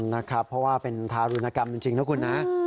นะครับเพราะว่าเป็นทารุณกรรมจริงนะคุณนะ